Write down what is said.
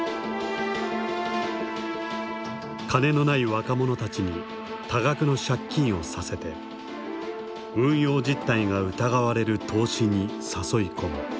金のない若者たちに多額の借金をさせて運用実態が疑われる投資に誘い込む。